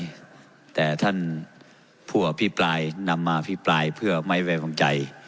ใครแต่ท่านผัวพี่ปลายนำมาพี่ปลายเพื่อไม่ไว้บังใจ